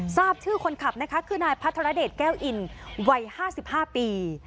ทราบชื่อคนขับนะคะคือนายพัทรเดชแก้วอินวัย๕๕ปี